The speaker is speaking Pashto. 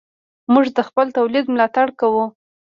موږ د خپل تولید ملاتړ کوو.